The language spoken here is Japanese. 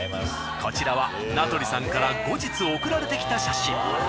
こちらは名取さんから後日送られてきた写真。